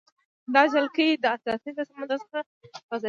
دا جلګې د اتلانتیک له سمندر څخه غزیدلې دي.